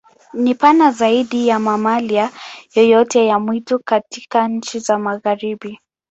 Ni pana zaidi ya mamalia yoyote ya mwitu katika nchi za Magharibi.